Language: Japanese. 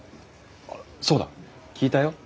そうだ聞いたよ。